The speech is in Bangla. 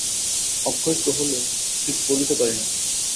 অক্ষয় কহিল, ঠিক বলিতে পারি না।